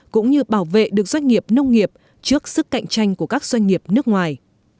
cũng như bảo vệ được doanh nghiệp nông nghiệp trước sức cạnh tranh của các doanh nghiệp nước ngoài